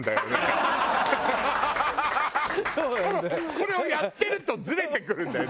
これをやってるとずれてくるんだよ。